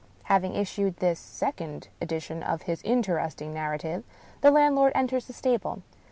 Having issued this second edition of his interesting nar rative, the landlord enters the stable.